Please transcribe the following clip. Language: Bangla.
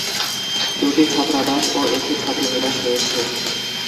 দুটি ছাত্রাবাস ও একটি ছাত্রীনিবাস রয়েছে।